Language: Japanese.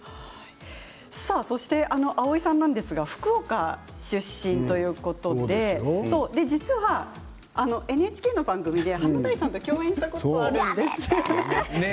蒼井さんなんですが福岡出身ということで実はＮＨＫの番組で華大さんと共演したこともあるんですね。